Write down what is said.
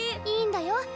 いいんだよ。